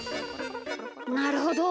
なるほど。